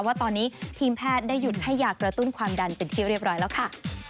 ว่าตอนนี้ทีมแพทย์ได้หยุดให้ยากระตุ้นความดันเป็นที่เรียบร้อยแล้วค่ะ